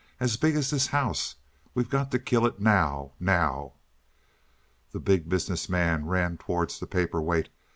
As big as this house. We've got to kill it now now." The Big Business Man ran towards the paper weight.